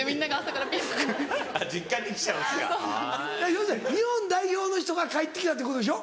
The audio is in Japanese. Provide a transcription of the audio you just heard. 要するに日本代表の人が帰って来たっていうことでしょ？